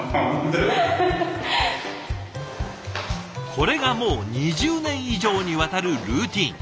これがもう２０年以上にわたるルーティン。